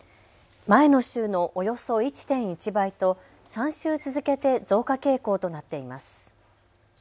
前の週のおよそ１．１倍と３週続けて増加傾向となっています。